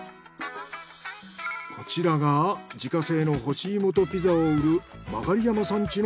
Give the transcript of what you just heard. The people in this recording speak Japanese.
こちらが自家製の干し芋とピザを売る曲山さん